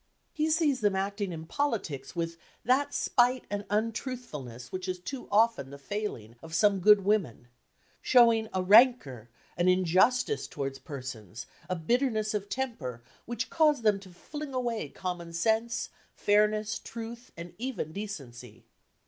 He sees them acting in politics with "that spite and untruthfulness which is too often the failing of some good women," showing "a rancour, an injustice towards persons, a bitterness of temper, which cause them to fling away common sense, fairness, truth and even decency."